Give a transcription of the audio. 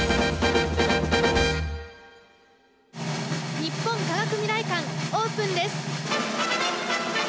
日本科学未来館オープンです。